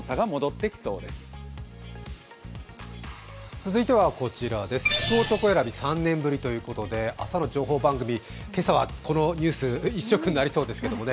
続いては、福男選び３年ぶりということで朝の情報番組、今朝はこのニュース一色になりそうですけどね。